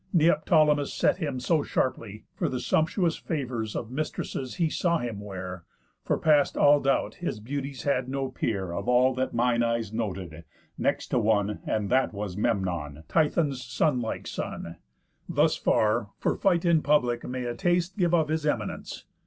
Neoptolemus Set him so sharply, for the sumptuous Favours of mistresses he saw him wear; For past all doubt his beauties had no peer Of all that mine eyes noted, next to one, And that was Memnon, Tithon's Sun like son. Thus far, for fight in public, may a taste Give of his eminence.